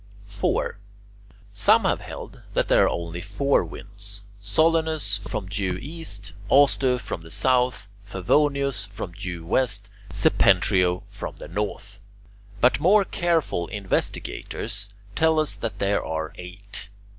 4. Some have held that there are only four winds: Solanus from due east; Auster from the south; Favonius from due west; Septentrio from the north. But more careful investigators tell us that there are eight.